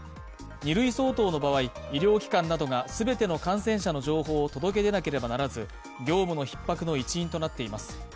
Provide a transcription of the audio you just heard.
２類相当の場合、医療機関などが全ての感染者の情報を届け出なければならず、業務のひっ迫の一因となっています。